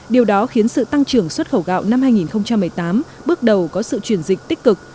điều đó khiến sự tăng trưởng xuất khẩu gạo năm hai nghìn một mươi tám bước đầu có sự chuyển dịch tích cực